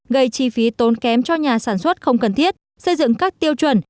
gây chi phí tốn kém cho nhà sản xuất không cần thiết xây dựng các tiêu chuẩn